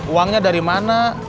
uangnya dari mana